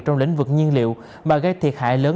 trong lĩnh vực nhiên liệu mà gây thiệt hại lớn